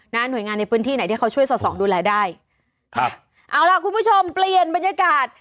หน่วยงานในพื้นที่ไหนที่เขาช่วยสอดส่องดูแลได้ครับเอาล่ะคุณผู้ชมเปลี่ยนบรรยากาศ